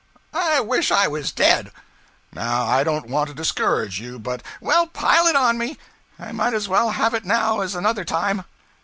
'I wish I was dead!' 'Now I don't want to discourage you, but ' 'Well, pile it on me; I might as well have it now as another time.'